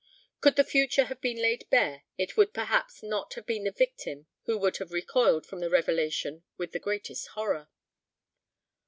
Could the future have been laid bare it would perhaps not have been the victim who would have recoiled from the revelation with the greatest horror.